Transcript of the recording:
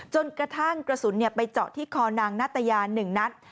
จนกระทั่งกระสุนไปเจาะที่คอนางนัตยา๑นัด